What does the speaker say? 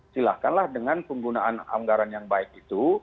silahkanlah dengan penggunaan anggaran yang baik itu